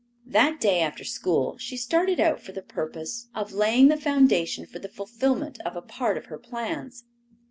That day after school she started out for the purpose of laying the foundation for the fulfillment of a part of her plans.